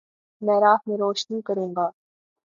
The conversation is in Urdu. میں راہ میں روشنی کرونگا